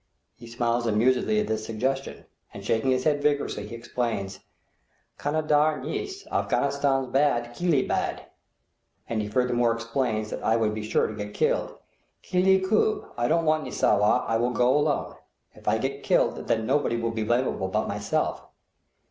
He smiles amusedly at this suggestion, and shaking his head vigorously, he says, "Kandahar neis; Afghanistan's bad; khylie bad;" and he furthermore explains that I would be sure to get killed. "Kliylie koob; I don't want any sowar, I will go alone; if I get killed, then nobody will be blamable but myself."